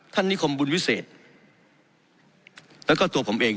นิคมบุญวิเศษแล้วก็ตัวผมเอง